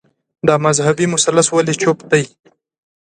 دا مذهبي مثلث ولي چوپ دی